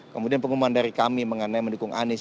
kemudian pengumuman dari kami mengenai mendukung anies